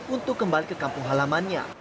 untuk kembali ke kampung halamannya